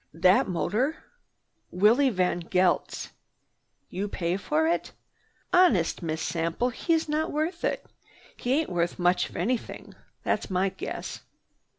"That motor? Willie VanGeldt's? You pay for it? Honest, Miss Sample, he's not worth it! He ain't worth much of anything. That's my guess."